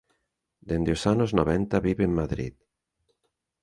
Dende os anos noventa vive en Madrid.